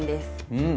うん。